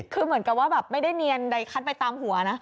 คือเหมือนกับว่าแบบไม่ได้เนียนใดคัดไปตามหัวนะ